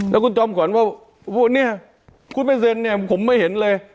แล้วคุณจอมขวัญว่าเนี่ยคุณไม่เซ็นเนี่ยผมไม่เห็นเลย